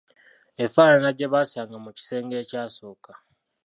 Efaanana gye baasanga mu kisenge ekyasooka.